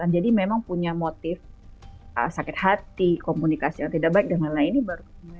jadi memang punya motif sakit hati komunikasi yang tidak baik dengan lainnya